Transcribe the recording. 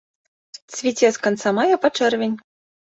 Цвіце з канца мая па чэрвень.